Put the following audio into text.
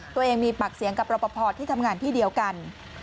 ตัวเองมีปากเสียงกับรอปภที่ทำงานที่เดียวกัน